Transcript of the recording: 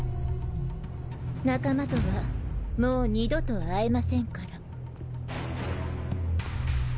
仲間とはもう二度と会えませんから。